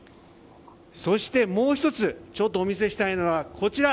そして、もう１つお見せしたいのはこちら。